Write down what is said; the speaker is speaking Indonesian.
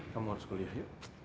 kamu harus kuliah yuk